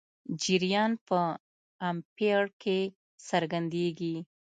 جریان په امپیر کې څرګندېږي.